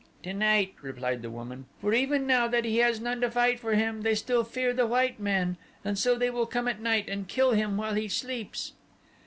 "Tonight," replied the woman, "for even now that he has none to fight for him they still fear the white man. And so they will come at night and kill him while he sleeps."